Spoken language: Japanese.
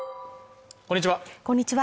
こんにちは